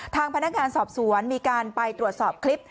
ทางพนักงานสอบสวนมีการไปตรวจสอบคลิป